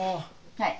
はい。